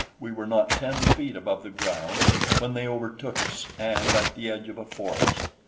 We were not ten feet above the ground when they overtook us, and at the edge of a forest.